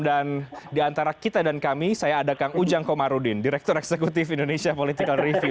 dan di antara kita dan kami saya ada kang ujang komarudin direktur eksekutif indonesia political review